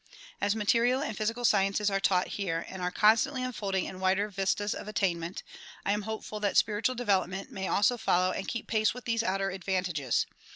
As material and physical sciences are taught here and are constantly unfolding in wider vistas of attainment, I am hopeful that spiritual development may also follow and keep pace with these outer advantages.